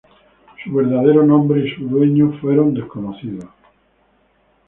Su verdadero nombre y su dueño fueron desconocidos.